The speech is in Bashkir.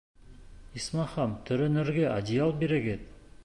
Исмаһам, төрөнөргә одеял бирегеҙ!